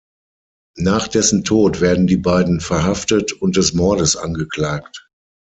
Nach dessen Tod werden die beiden verhaftet und des Mordes angeklagt.